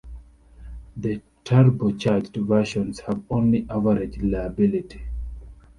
The turbocharged versions have only average reliability.